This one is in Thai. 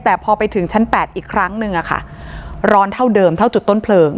แต่พอไปถึงชั้น๘อีกครั้งหนึ่งอะค่ะร้อนเท่าเดิมเท่าจุดต้นเพลิง